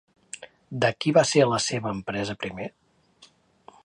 De qui va ser la seva empresa primer?